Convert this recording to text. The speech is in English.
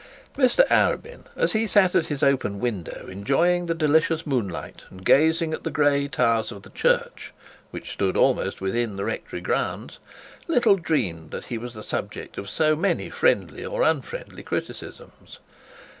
Mr Arabin, as he sat at his open window, enjoying the delicious moonlight and gazing at the gray towers of the church, which stood almost within the rectory grounds, little dreamed that he was the subject of so many friendly or unfriendly criticisms.